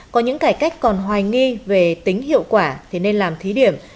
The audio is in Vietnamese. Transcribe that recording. có những cải cách còn hoài nghi về tính hiệu quả thì nên làm thí điểm